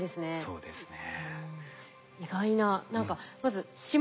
そうですね。